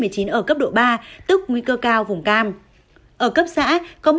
ở cấp độ ba tức nguy cơ cao vùng cam